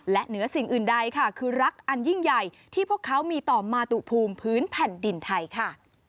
และเหนือสิ่งอื่นใดค่ะคือรักอันยิ่งใหญ่ที่พวกเขามีต่อมาตุภูมิพื้นแผ่นดินไทยค่ะ